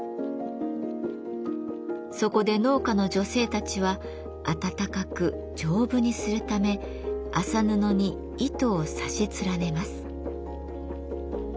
そこで農家の女性たちはあたたかく丈夫にするため麻布に糸を刺し連ねます。